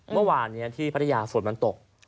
เมื่อวานที่พทยาศพลอยมันตก